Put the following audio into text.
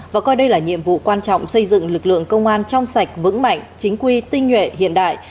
và coi đây là nhiệm vụ quan trọng xây dựng lực lượng công an trong sạch vững mạnh chính quy tinh nhuệ hiện đại